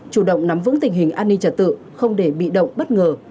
chủ động nắm vững tình hình an ninh trật tự không để bị động bất ngờ